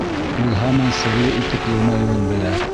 Ул һаман серле итеп йылмайыуын белә.